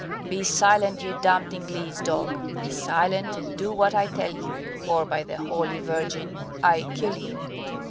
"Be silent, you damned Ingleese dog! Be silent, and do what I tell you, or by the Holy Virgin, I kill you."